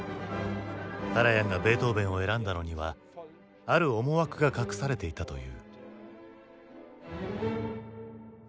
カラヤンがベートーヴェンを選んだのにはある思惑が隠されていたという。